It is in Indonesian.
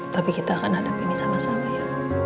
tapi kita akan hadapi ini sama sama ya